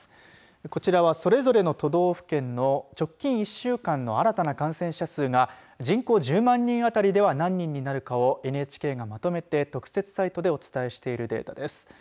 こちらは、それぞれの都道府県の直近１週間の新たな感染者数は人口１０万人当たりでは何人になるかをＮＨＫがまとめて特設サイトでお伝えしているデータです。